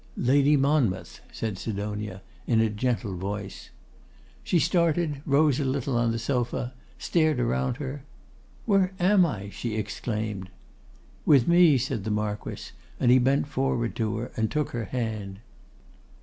'Lady Monmouth!' said Sidonia, in a gentle voice. She started, rose a little on the sofa, stared around her. 'Where am I?' she exclaimed. 'With me,' said the Marquess; and he bent forward to her, and took her hand.